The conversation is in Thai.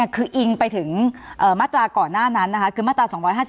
คืออิงไปถึงมาตราก่อนหน้านั้นนะคะคือมาตรา๒๕๒